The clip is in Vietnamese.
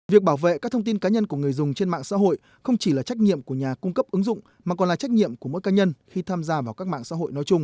việc bảo vệ các thông tin cá nhân của người dùng trên mạng xã hội không chỉ là trách nhiệm của nhà cung cấp ứng dụng mà còn là trách nhiệm của mỗi cá nhân khi tham gia vào các mạng xã hội nói chung